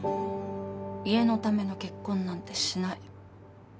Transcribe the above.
家のための結婚なんてしない。